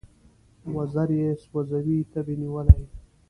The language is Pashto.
وزر یې سوزي تبې نیولی